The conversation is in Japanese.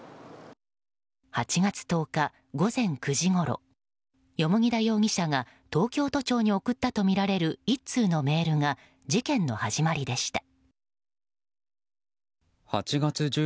８月１０日午前９時ごろ蓬田容疑者が東京都庁に送ったとみられる１通のメールが事件の始まりでした。